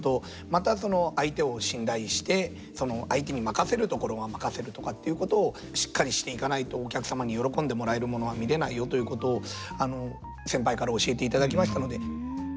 またその相手を信頼してその相手に任せるところは任せるとかっていうことをしっかりしていかないとお客様に喜んでもらえるものは見れないよということを先輩から教えていただきましたので。